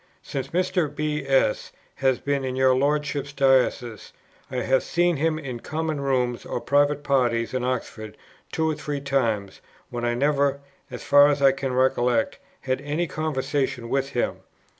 Since Mr. B. S. has been in your Lordship's diocese, I have seen him in Common rooms or private parties in Oxford two or three times, when I never (as far as I can recollect) had any conversation with him.